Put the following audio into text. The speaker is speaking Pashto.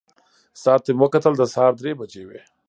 ساعت ته مې وکتل، د سهار درې بجې وې.